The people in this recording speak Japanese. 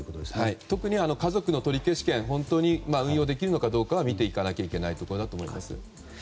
特に家族の取消権は運用できるのか見ていかなきゃいけないところだと思います。